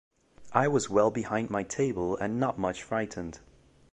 I was well behind my table and not much frightened.